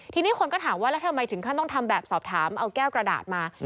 ทีนี้คนก็ถามว่าแล้วทำไมถึงขั้นต้องทำแบบสอบถามเอาแก้วกระดาษมา